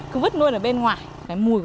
cứ vứt luôn ở bên ngoài